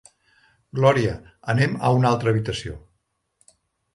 Gloria, anem a una altra habitació.